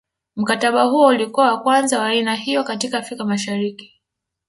Mkataba huo ulikuwa wa kwanza wa aina hiyo katika Afrika Mashariki